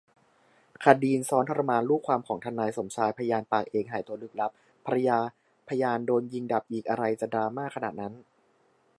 คดีนซ้อมทรมานลูกความของทนายสมชาย พยานปากเอกหายตัวลึกลับ ภรรยาพยานโดนยิงดับอีก อะไรจะดราม่าขนาดนั้น